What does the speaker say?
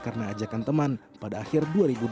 karena ajakan teman pada akhir dua ribu dua belas